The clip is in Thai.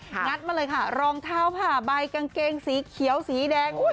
งัดมาเลยค่ะรองเท้าผ่าใบกางเกงสีเขียวสีแดง